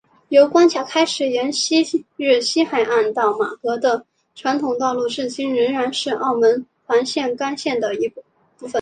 由关闸开始沿昔日西海岸到妈阁的传统道路至今仍然是澳门环城干线的一部分。